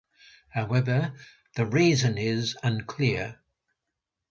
However, the reason is unclear.